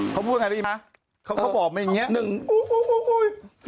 เขาพูดอะไรนะเขาบอกไม่อย่างนี้